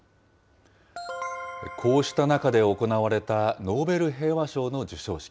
こうした中で行われたノーベル平和賞の授賞式。